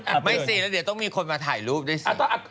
อ่าไม่สิเดี๋ยวต้องมีคนมาถ่ายรูปด้วยสิ